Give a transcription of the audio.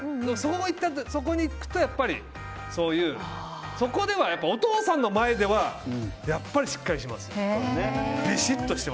そこに行くとやっぱりお父さんの前ではやっぱりしっかりします。